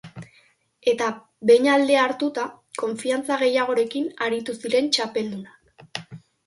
Eta, behin aldea hartuta, konfiantza gehiagorekin aritu ziren txapeldunak.